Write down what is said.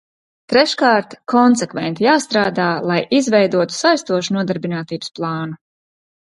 Treškārt, konsekventi jāstrādā, lai izveidotu saistošu nodarbinātības plānu.